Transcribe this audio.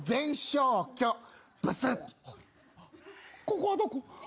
「ここはどこ？